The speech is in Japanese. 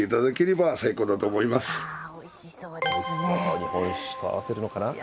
日本酒と合わせるのかな。